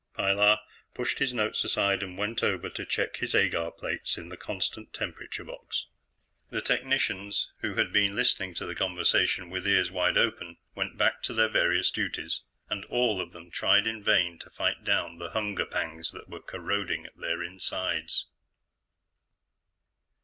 Pilar pushed his notes aside and went over to check his agar plates in the constant temperature box. The technicians who had been listening to the conversation with ears wide open went back to their various duties. And all of them tried in vain to fight down the hunger pangs that were corroding at their insides.